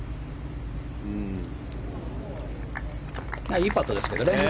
いいパットですけどね。